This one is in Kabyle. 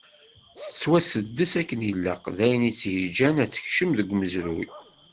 Tettwasuddes akken ilaq, d ayen i tt-yeǧǧan ad tekcem deg umezruy.